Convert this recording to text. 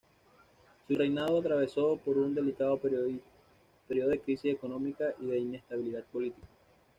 Su reinado atravesó por un delicado periodo de crisis económica y de inestabilidad política.